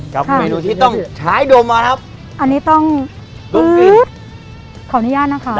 กับเมนูที่ต้องชายดมมาครับอันนี้ต้องขออนุญาตนะครับ